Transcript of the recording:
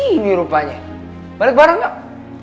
yeh dok disini rupanya balik bareng dong